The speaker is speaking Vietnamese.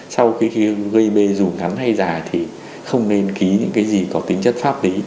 sau khi gây mê dù ngắn hay dài thì không nên ký những cái gì có tính chất pháp lý